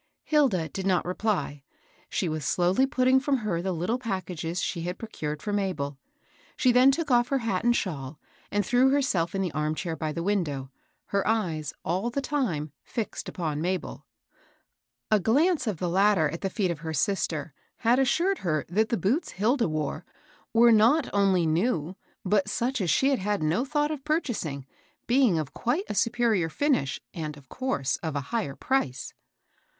Hilda did not reply. She was slowly putting from her the little packages she had procured for Mabel. She then took off her hat and shawl, and threw herself in the arm chair by the window, her eyes, all the time, fixed upon Mabel. A glance of the latter at the feet of her sister had assured her that the boots Hilda wore were not only new, but such as she had had no thought of purchasing, being of quite a superior finish and, of course, of a higher price.